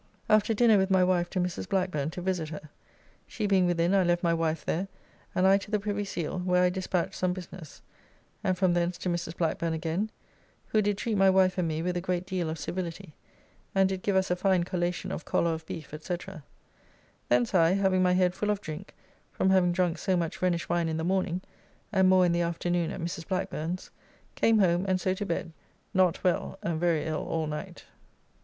After dinner with my wife to Mrs. Blackburne to visit her. She being within I left my wife there, and I to the Privy Seal, where I despatch some business, and from thence to Mrs. Blackburne again, who did treat my wife and me with a great deal of civility, and did give us a fine collation of collar of beef, &c. Thence I, having my head full of drink from having drunk so much Rhenish wine in the morning, and more in the afternoon at Mrs. Blackburne's, came home and so to bed, not well, and very ill all night.